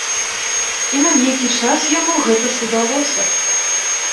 І на нейкі час яму гэта ж удалося.